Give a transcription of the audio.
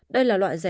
đây là loại rẻ tiền